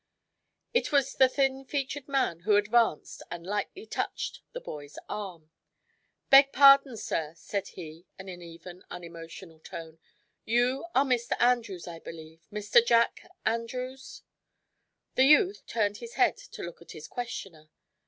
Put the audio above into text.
It was the thin featured man who advanced and lightly touched the boy's arm. "Beg pardon, sir," said he, in even, unemotional tones. "You are Mr. Andrews, I believe Mr. Jack Andrews?" The youth turned his head to look at his questioner.